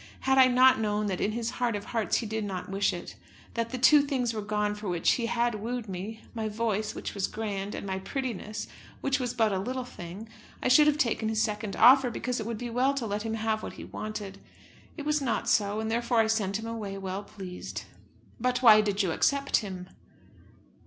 Had I not known that in his heart of hearts he did not wish it, that the two things were gone for which he had wooed me, my voice, which was grand, and my prettiness, which was but a little thing, I should have taken his second offer, because it would be well to let him have what he wanted. It was not so; and therefore I sent him away, well pleased." "But why did you accept him?"